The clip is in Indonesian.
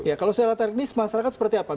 ya kalau secara teknis masyarakat seperti apa